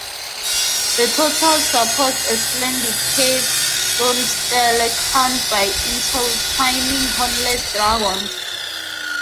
The tortoise supports a splendid carved stone stele, crowned by intertwining hornless dragons.